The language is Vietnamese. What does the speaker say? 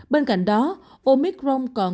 bên cạnh đó omicron còn